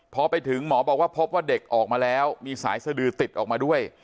พอไปถึงหมอบอกว่าพบว่าเด็กออกมาแล้วมีสายสดือติดออกมาด้วย